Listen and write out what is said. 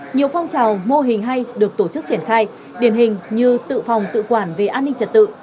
nhiều phong trào mô hình hay được tổ chức triển khai điển hình như tự phòng tự quản về an ninh trật tự